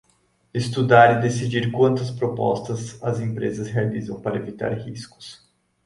Estudar e decidir quantas propostas as empresas realizam para evitar riscos.